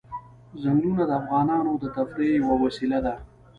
ځنګلونه د افغانانو د تفریح یوه وسیله ده.